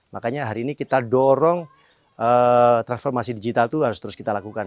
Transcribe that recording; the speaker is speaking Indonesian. makanya hari ini kita dorong transformasi digital itu harus terus kita lakukan